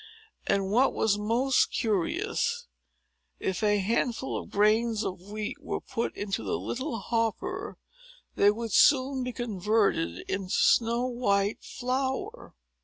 And—what was most curious—if a handful of grains of wheat were put into the little hopper, they would soon be converted into snow white flour.